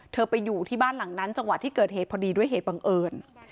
ไปอยู่ที่บ้านหลังนั้นจังหวะที่เกิดเหตุพอดีด้วยเหตุบังเอิญ